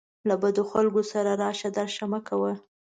له بدو خلکو سره راشه درشه مه کوه